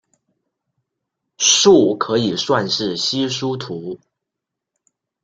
树可以算是稀疏图。